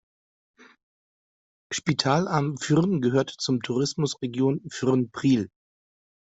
Spital am Pyhrn gehört zur Tourismusregion Pyhrn-Priel.